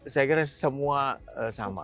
saya kira semua sama